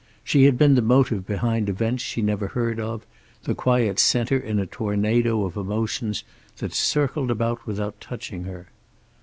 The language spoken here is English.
She had been the motive behind events she never heard of, the quiet center in a tornado of emotions that circled about without touching her.